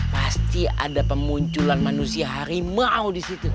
pasti ada pemunculan manusia harimau disitu